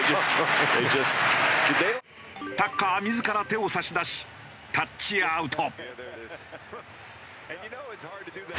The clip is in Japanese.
タッカー自ら手を差し出しタッチアウト。